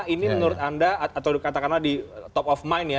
ini menurut anda atau katakanlah di top of mind ya